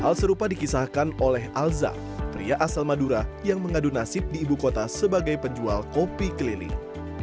hal serupa dikisahkan oleh alza pria asal madura yang mengadu nasib di ibu kota sebagai penjual kopi keliling